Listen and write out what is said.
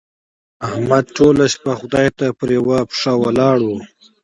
احمد ټوله شپه خدای ته پر يوه پښه ولاړ وو.